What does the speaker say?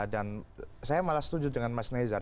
dan saya malah setuju dengan mas nezer